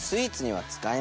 はい。